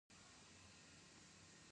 پرمختګ د وخت غوښتنه ده